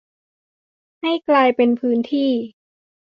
ให้กลายเป็นพื้นที่